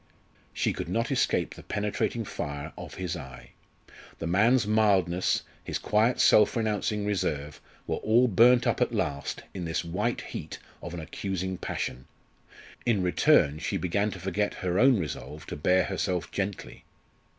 She could not escape the penetrating fire of his eye. The man's mildness, his quiet self renouncing reserve, were all burnt up at last in this white heat of an accusing passion. In return she began to forget her own resolve to bear herself gently.